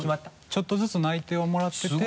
ちょっとずつ内定はもらってて。